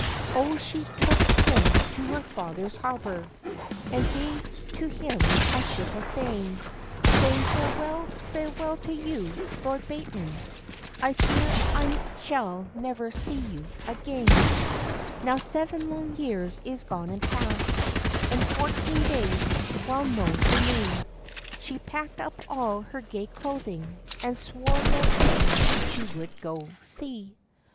O she took him to her father's harbor, And gave to him a ship of fame, Saying, "Farewell, farewell to you, Lord Bateman, I fear I shall never see you again." Now seven long years is gone and past, And fourteen days, well known to me; She packed up all her gay clothing, And swore Lord Bateman she would go see.